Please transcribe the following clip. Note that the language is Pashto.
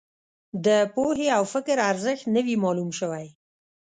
د پوهې او فکر ارزښت نه وي معلوم شوی.